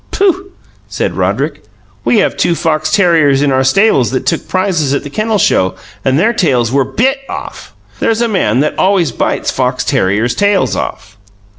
"Pooh!" said Roderick. "We have two fox terriers in our stables that took prizes at the kennel show, and their tails were BIT off. There's a man that always bites fox terriers' tails off."